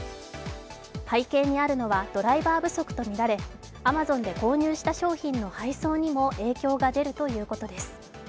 背景にあるのは、ドライバー不足とみられ、アマゾンで購入した商品の配送にも影響が出るということです。